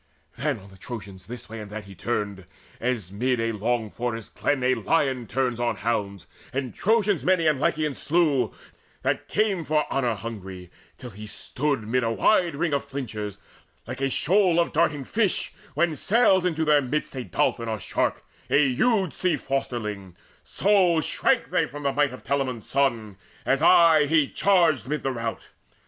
Then on the Trojans this way and that he turned, As mid long forest glens a lion turns On hounds, and Trojans many and Lycians slew That came for honour hungry, till he stood Mid a wide ring of flinchers; like a shoal Of darting fish when sails into their midst Dolphin or shark, a huge sea fosterling; So shrank they from the might of Telamon's son, As aye he charged amidst the rout.